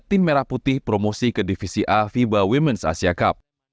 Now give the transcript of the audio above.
tim merah putih promosi ke divisi a fiba women's asia cup